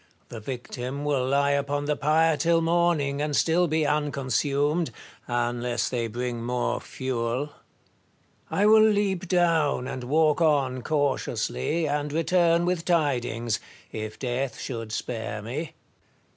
The victim will lie upon the pyre till morning, and still be unconsumed, unless they bring more fuel. I will leap down and walk on cautiously, and return with tidings, if death should spare me.